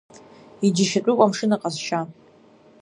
Иџьашьатәуп амшын аҟазшьа.